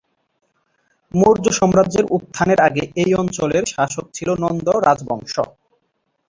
মৌর্য সাম্রাজ্যের উত্থানের আগে এই অঞ্চলের শাসক ছিল নন্দ রাজবংশ।